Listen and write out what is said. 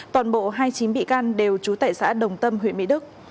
toàn bộ hai chính bị can đều trú tại xã đồng tâm huyện mỹ đức